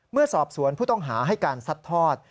เมื่อสอบสวนผู้ต้องหาให้การซัดทอด